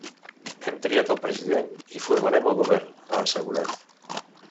Hem triat al president i formarem el govern, ha assegurat.